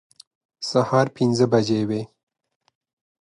سهار پنځه بجې وې.